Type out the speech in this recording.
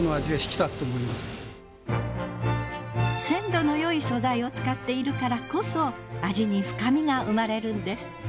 鮮度のよい素材を使っているからこそ味に深みが生まれるんです。